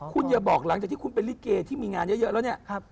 คุณอย่าบอกหลังจากที่คุณเป็นลิเกที่มีงานเยอะแล้วเนี่ย